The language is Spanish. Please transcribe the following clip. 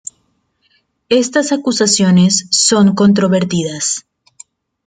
Estas acusaciones son controvertidas.